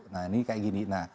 nah ini kayak gini